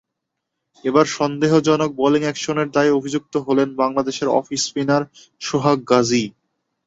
এবার সন্দেহজনক বোলিং অ্যাকশনের দায়ে অভিযুক্ত হলেন বাংলাদেশের অফস্পিনার সোহাগ গাজী।